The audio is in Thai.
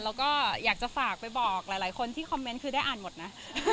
แล้วก็อยากจะฝากไปบอกหลายคนที่คอมเมนต์คือได้อ่านหมดนะ